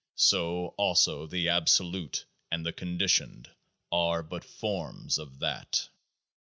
So also the Absolute and the Con ditioned are but forms of THAT.